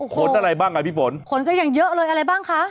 ขนอะไรบ้างอ่ะพี่ฝนขนก็ยังเยอะเลยอะไรบ้างคะ